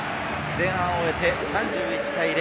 前半を終えて３１対０。